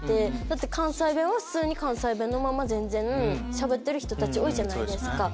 だって関西弁は普通に関西弁のまましゃべってる人たち多いじゃないですか。